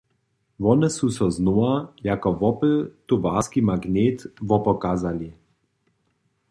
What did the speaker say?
Wone su so znowa jako wopytowarski magnet wopokazali.